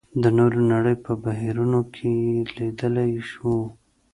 د نورې نړۍ په بهیرونو کې یې لېدلي وو.